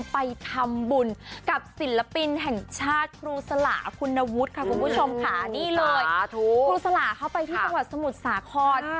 ไปทำบุญกับศิลปินแห่งชาติครูสลาคุณวุฒิค่ะคุณผู้ชมค่ะนี่เลยครูสลาเข้าไปที่จังหวัดสมุทรสาคร